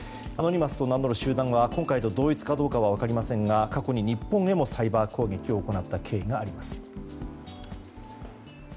アノニマスと名乗る集団は今回と同一かどうか分かりませんが過去に日本にもサイバー攻撃を行ったことがあります。